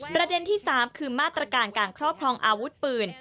ประเด็นที่๓คือมาตรการการครอบครองอาวุธปืน